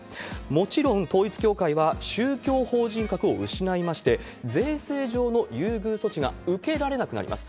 もちろん統一教会は、宗教法人格を失いまして、税制上の優遇措置が受けられなくなります。